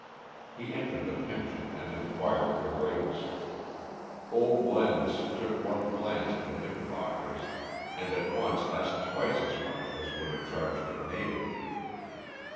He entered the pension and inquired the rates. Old Lenz took one glance at the knickerbockers, and at once asked twice as much as he would have charged a native.